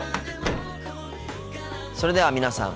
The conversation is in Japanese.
それでは皆さん